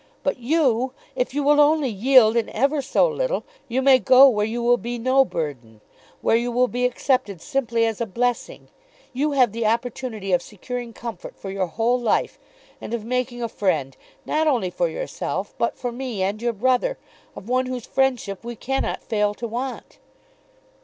But you, if you will only yield in ever so little, you may go where you will be no burden, where you will be accepted simply as a blessing. You have the opportunity of securing comfort for your whole life, and of making a friend, not only for yourself, but for me and your brother, of one whose friendship we cannot fail to want."